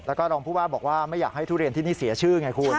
แล้วก็รองผู้ว่าบอกว่าไม่อยากให้ทุเรียนที่นี่เสียชื่อไงคุณ